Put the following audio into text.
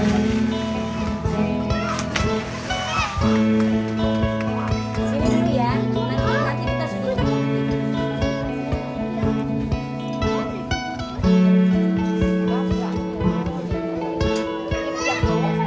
loh kok ada yang dm ngirim foto gue disini